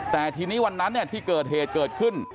แต่ทีนี้วันนั้นที่เกิดเหตุเกิดขึ้น